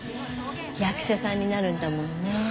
役者さんになるんだもんねえ。